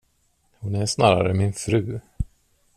Hon är snarare min fru.